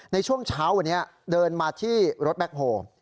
ในช่วงเช้าวันนี้เดินมาที่รถแบ็คโฮ